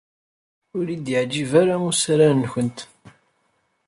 Ur iyi-yeɛjib ara usaran-nwent.